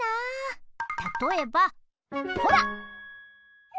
たとえばほら！